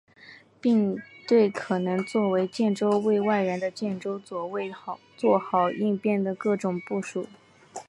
并对可能作为建州卫外援的建州左卫作好应变的各种部署。